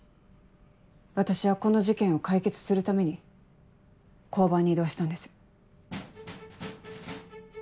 私はこの事件を解決するために交番に異動したんです。